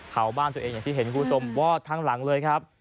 เผาบ้านตัวเองอย่างที่เห็นคุณผู้ชมวอดทั้งหลังเลยครับ